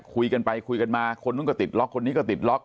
คุยกันไปคุยกันมาคนนู้นก็ติดล็อกคนนี้ก็ติดล็อก